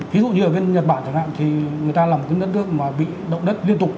ví dụ như ở bên nhật bản chẳng hạn thì người ta là một cái đất nước mà bị động đất liên tục